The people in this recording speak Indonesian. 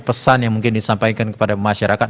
pesan yang mungkin disampaikan kepada masyarakat